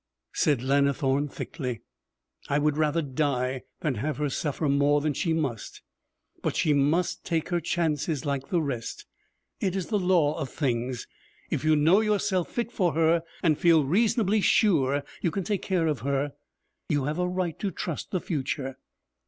said Lannithorne thickly. 'I would rather die than have her suffer more than she must. But she must take her chances like the rest. It is the law of things. If you know yourself fit for her, and feel reasonably sure you can take care of her, you have a right to trust the future.